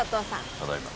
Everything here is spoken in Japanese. ただいま